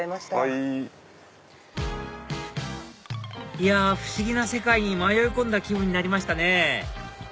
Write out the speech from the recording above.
いや不思議な世界に迷い込んだ気分になりましたね